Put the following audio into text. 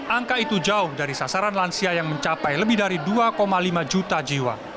angka itu jauh dari sasaran lansia yang mencapai lebih dari dua lima juta jiwa